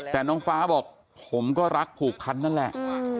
แต่น้องฟ้าบอกผมก็รักผูกพันนั่นแหละ